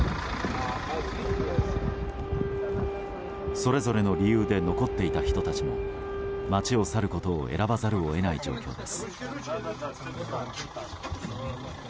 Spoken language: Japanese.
それぞれの理由で残っていた人たちも街を去ることを選ばざるを得ない状況です。